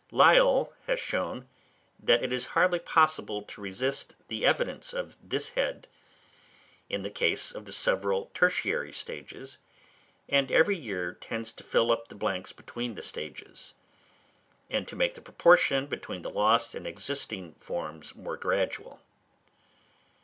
Lyell has shown that it is hardly possible to resist the evidence on this head in the case of the several tertiary stages; and every year tends to fill up the blanks between the stages, and to make the proportion between the lost and existing forms more gradual.